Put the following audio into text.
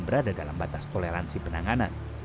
berada dalam batas toleransi penanganan